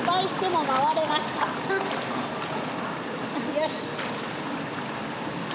よし！